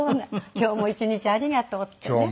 今日も１日ありがとうってね。